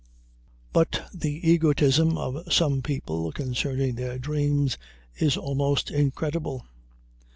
But the egotism of some people concerning their dreams is almost incredible.